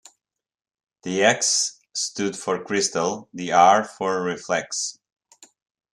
The X stood for crystal, the R for reflex.